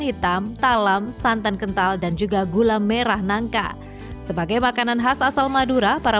hitam talam santan kental dan juga gula merah nangka sebagai makanan khas asal madura para